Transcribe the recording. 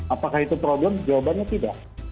apakah itu problem jawabannya tidak